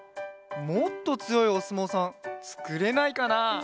もっとつよいおすもうさんつくれないかな？